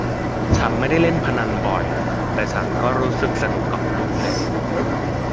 ฉันไม่ได้เล่นพนันบ่อนแต่ฉันก็รู้สึกสนุกกับรูเรทท์